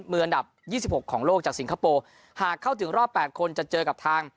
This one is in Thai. มืออันดับยี่สิบหกของโลกจากสิงคโปร์หากเข้าถึงรอบแปดคนจะเจอกับทาง